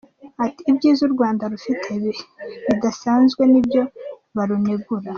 Ati “ Ibyiza u Rwanda rufite bidasanzwe nibyo barunegura.